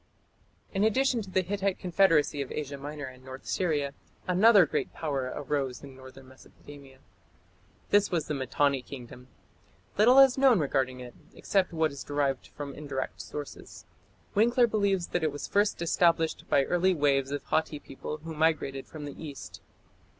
" In addition to the Hittite confederacy of Asia Minor and North Syria, another great power arose in northern Mesopotamia. This was the Mitanni Kingdom. Little is known regarding it, except what is derived from indirect sources. Winckler believes that it was first established by early "waves" of Hatti people who migrated from the east.